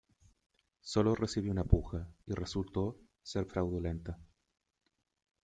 Sólo recibió una puja y resultó ser fraudulenta.